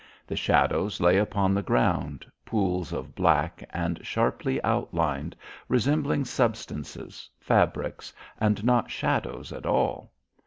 The shadows lay upon the ground, pools of black and sharply outlined, resembling substances, fabrics, and not shadows at all.